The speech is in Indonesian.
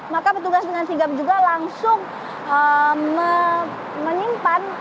maka petugas dengan sigap juga langsung menyimpan